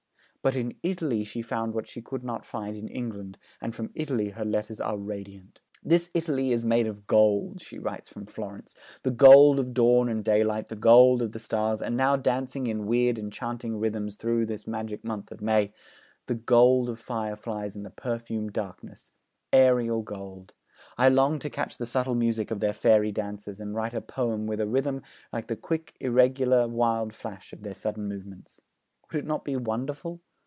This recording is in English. But in Italy she found what she could not find in England, and from Italy her letters are radiant. 'This Italy is made of gold,' she writes from Florence, 'the gold of dawn and daylight, the gold of the stars, and, now dancing in weird enchanting rhythms through this magic month of May, the gold of fireflies in the perfumed darkness "aerial gold." I long to catch the subtle music of their fairy dances and make a poem with a rhythm like the quick irregular wild flash of their sudden movements. Would it not be wonderful?